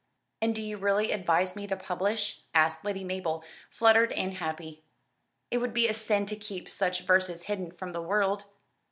"And do you really advise me to publish?" asked Lady Mabel, fluttered and happy. "It would be a sin to keep such verses hidden from the world."